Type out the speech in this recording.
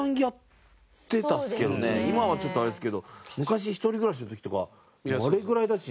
今はちょっとあれですけど昔一人暮らしの時とかあれぐらいだし。